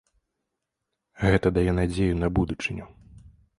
Гэта дае надзею на будучыню.